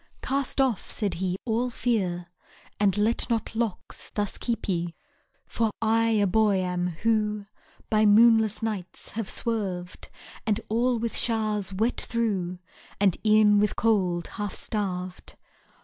Cast off, said he, all fear, And let not locks thus keep ye. For I a boy am, who By moonless nights have swerved; And all with show'rs wet through, And e'en with cold half starved.